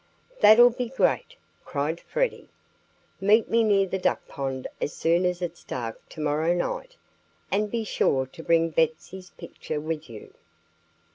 "That'll be great!" cried Freddie. "Meet me near the duck pond as soon as it's dark to morrow night; and be sure to bring Betsy's picture with you!"